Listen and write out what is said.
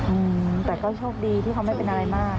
อืมแต่ก็โชคดีที่เขาไม่เป็นอะไรมาก